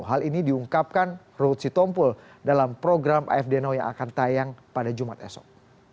hal ini diungkapkan routsi tompul dalam program afdno yang akan tayang pada jumat esok